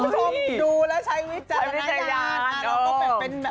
ดูแล้วใช้วิจารณ์